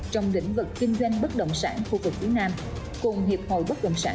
trong lĩnh vực kinh doanh bất động sản khu vực phía nam cùng hiệp hội bất động sản